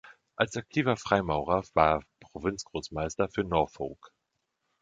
Als aktiver Freimaurer war er Provinzgroßmeister für Norfolk.